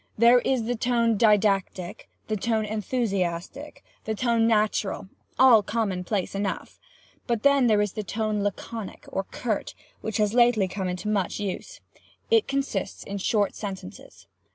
There is the tone didactic, the tone enthusiastic, the tone natural—all commonplace enough. But then there is the tone laconic, or curt, which has lately come much into use. It consists in short sentences.